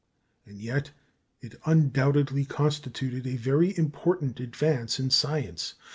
And yet it undoubtedly constituted a very important advance in science.